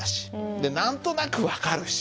で何となく分かるし。